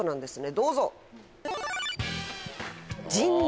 どうぞ。